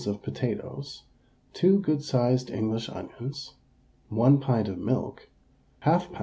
of potatoes, two good sized English onions, 1 pint of milk, 1/2 lb.